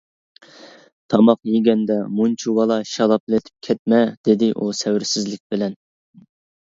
تاماق يېگەندە مۇنچىۋالا شالاپلىتىپ كەتمە، دېدى ئۇ سەۋرسىزلىك بىلەن.